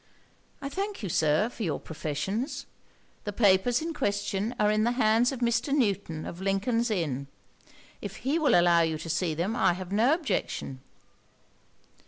'I thank you, Sir, for your professions. The papers in question are in the hands of Mr. Newton of Lincolns Inn. If he will allow you to see them I have no objection.'